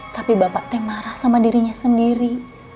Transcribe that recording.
tapi bapak teh marah sama dirinya sendiri